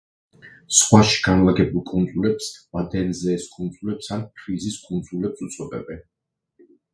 ზღვაში განლაგებულ კუნძულებს ვადენზეეს კუნძულებს ან ფრიზის კუნძულებს უწოდებენ.